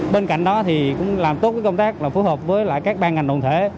bên cạnh đó thì cũng làm tốt công tác phù hợp với các ban ngành đồng thể